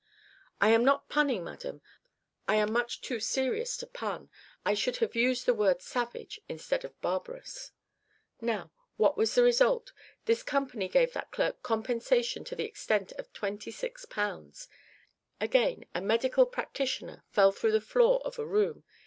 I am not punning, madam; I am much too serious to pun; I should have used the word savage instead of barbarous. "Now, what was the result? This company gave that clerk compensation to the extent of 26 pounds. Again, a medical practitioner fell through the floor of a room.